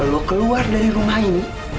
lo keluar dari rumah ini